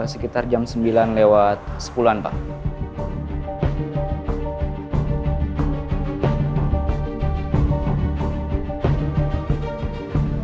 sekitar jam sembilan lewat sepuluh an pak